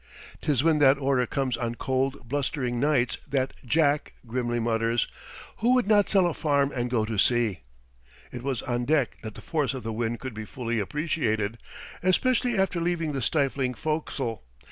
'Tis when that order comes on cold, blustering nights that "Jack" grimly mutters: "Who would not sell a farm and go to sea?" It was on deck that the force of the wind could be fully appreciated, especially after leaving the stifling fo'castle.